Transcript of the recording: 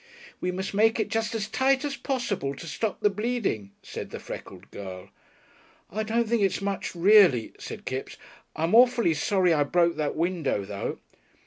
"We must make it just as tight as possible, to stop the bleeding," said the freckled girl. "I don't think it's much reely," said Kipps. "I'm awful sorry I broke that window, though."